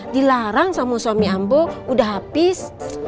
dilarang sama suami ambo udah habis